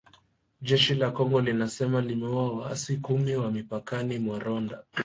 Jeshi la Kongo linasema limeua waasi kumi wa mipakani mwa Rwanda